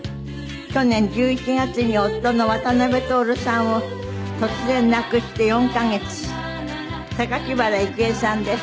去年１１月に夫の渡辺徹さんを突然亡くして４カ月榊原郁恵さんです。